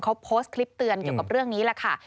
เขาโพสต์คลิปเตือนเกี่ยวกับเรื่องนี้แหละค่ะ